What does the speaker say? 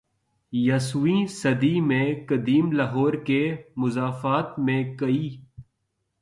یسویں صدی میں قدیم لاہور کے مضافات میں کئی